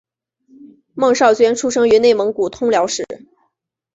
孟昭娟出生于内蒙古通辽市。